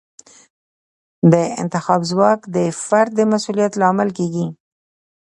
د انتخاب ځواک د فرد د مسوولیت لامل کیږي.